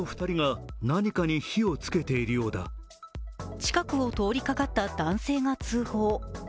近くを通りかかった男性が通報。